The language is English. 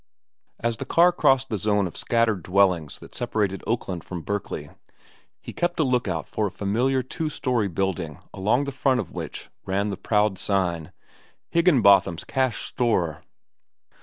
As the car crossed the zone of scattered dwellings that separated Oakland from Berkeley, he kept a lookout for a familiar, two story building along the front of which ran the proud sign, HIGGINBOTHAM'S CASH STORE.